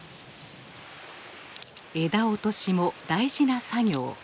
枝落としも大事な作業。